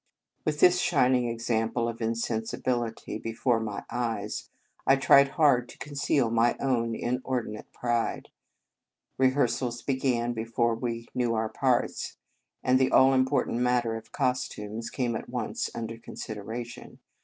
With this shining example of in sensibility before my eyes, I tried hard to conceal my own inordinate pride. Rehearsals began before we knew our parts, and the all important matter of costumes came at once un der consideration.